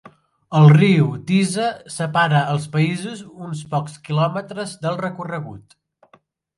El riu Tisza separa els països un pocs quilòmetres del recorregut.